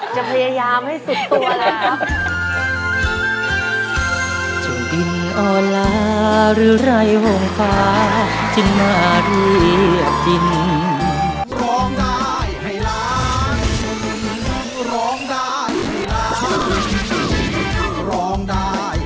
จะพยายามให้สุดตัวนะครับ